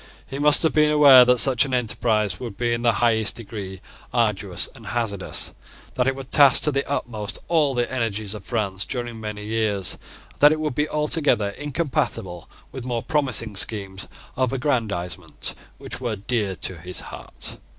He must have been aware that such an enterprise would be in the highest degree arduous and hazardous, that it would task to the utmost all the energies of France during many years, and that it would be altogether incompatible with more promising schemes of aggrandisement, which were dear to his heart.